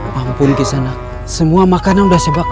mampun kisanak semua makanan udah sebak